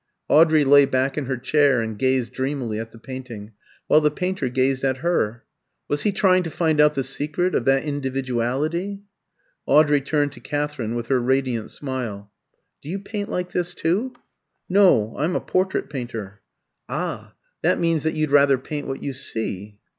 Audrey lay back in her chair and gazed dreamily at the painting, while the painter gazed at her. Was he trying to find out the secret of that individuality? Audrey turned to Katherine with her radiant smile. "Do you paint like this, too?" "No, I'm a portrait painter." "Ah! that means that you'd rather paint what you see?"